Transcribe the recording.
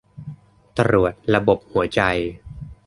ตรวจระบบหัวใจ